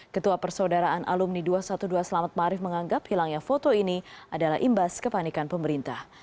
ketua persaudaraan alumni dua ratus dua belas selamat marif menganggap hilangnya foto ini adalah imbas kepanikan pemerintah